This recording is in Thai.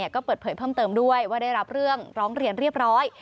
ก็เปิดเผยเพิ่มเติมด้วยว่าได้รับเรื่องร้องเรียนเรียบร้อย